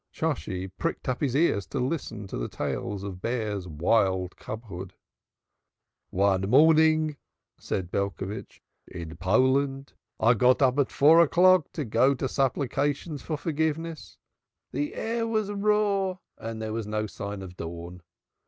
Shosshi pricked up his ears to listen to the tale of Bear's wild cubhood. "One morning," said Belcovitch, "in Poland, I got up at four o'clock to go to Supplications for Forgiveness. The air was raw and there was no sign of dawn!